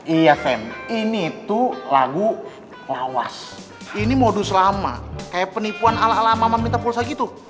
iya fem ini tuh lagu lawas ini modus lama kayak penipuan ala ala mama meminta pulsa gitu